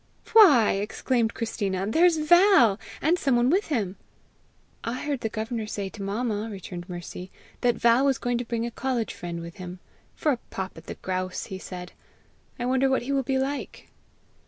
"Why!" exclaimed Christina, "there's Val! and some one with him!" "I heard the governor say to mamma," returned Mercy, "that Val was going to bring a college friend with him, 'for a pop at the grouse,' he said. I wonder what he will be like!"